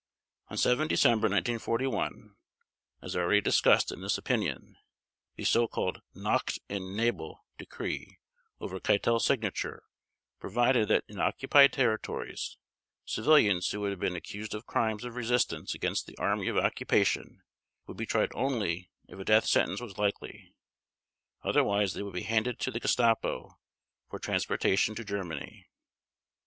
On 7 December 1941, as already discussed in this opinion, the so called "Nacht und Nebel" Decree, over Keitel's signature, provided that in occupied territories civilians who had been accused of crimes of resistance against the army of occupation would be tried only if a death sentence was likely; otherwise they would be handed to the Gestapo for transportation to Germany.